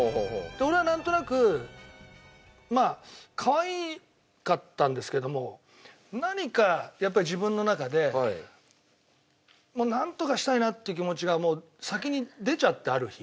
で俺はなんとなくまあかわいかったんですけども何かやっぱり自分の中でもうなんとかしたいなっていう気持ちがもう先に出ちゃってある日。